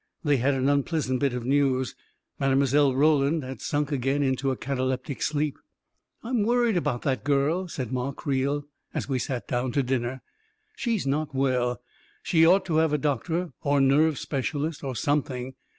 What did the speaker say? They had an unpleasant bit of news. Mile. Roland had sunk again into a cataleptic sleep. " I'm worried about that girl,' 9 said Ma Creel, as we sat down to dinner. " She's not well — she ought to have a doctor, or nerve specialist, or some thing.